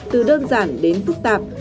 từ đơn giản đến phức tạp